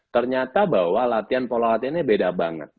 ternyata bahwa latihan pola latihannya beda banget